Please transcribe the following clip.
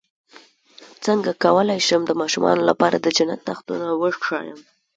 څنګه کولی شم د ماشومانو لپاره د جنت تختونه وښایم